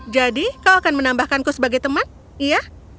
jadi kau akan menambahkanku sebagai teman iya